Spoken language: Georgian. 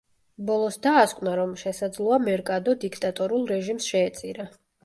ბოლოს დაასკვნა, რომ შესაძლოა, მერკადო დიქტატორულ რეჟიმს შეეწირა.